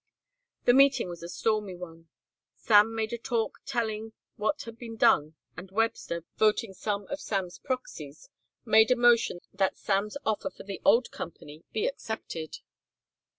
The meeting was a stormy one. Sam made a talk telling what had been done and Webster, voting some of Sam's proxies, made a motion that Sam's offer for the old company be accepted.